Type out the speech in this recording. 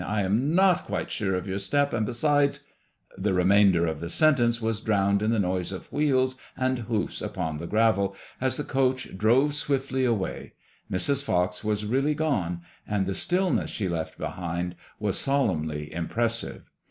I am not quite sure of your step, and besides " The remainder of the sentence was drowned in the noise of wheels and hoofs upon the gravel, as the coach drove swiftly away. Mrs. Fox was really gone, and the stillness she left behind was solemnly impressive.